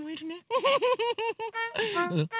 ウフフフフ。